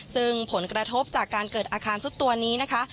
ซึ่งผลกระทบจากการเกิดอาคารสุดตัวนี้นะคะ